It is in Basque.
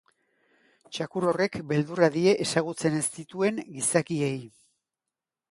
Txakur horrek beldurra die ezagutzen ez dituen gizakiei.